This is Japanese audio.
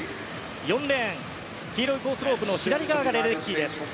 ４レーン、黄色いコースロープの左側がレデッキーです。